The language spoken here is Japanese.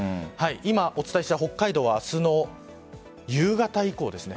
今お伝えした北海道は明日の夕方以降です。